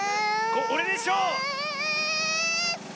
おれでしょう！